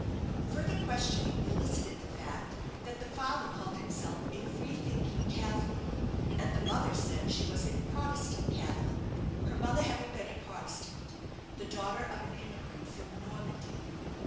Further questioning elicited the fact that the father called himself a "free thinking Catholic," and the mother said she was a "Protestant Catholic," her mother having been a Protestant, the daughter of an immigrant from Normandy.